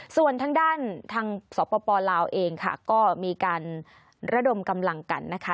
ส่วนทางด้านทางสปลาวเองค่ะก็มีการระดมกำลังกันนะคะ